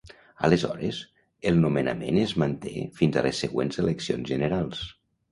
Aleshores el nomenament es manté fins a les següents eleccions generals.